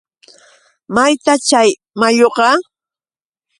¿mayta chay mayuqa?